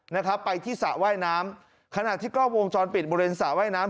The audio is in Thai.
นะครับไปที่สระว่ายน้ำขณะที่กล้องวงจรปิดบริเวณสระว่ายน้ำ